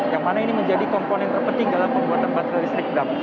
yang mana ini menjadi komponen terpenting dalam pembuatan baterai listrik bram